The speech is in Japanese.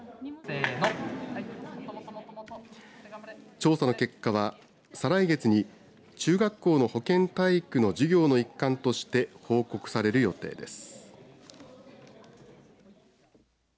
調査の結果は再来月に中学校の保健体育の授業の一環として報告される予定です。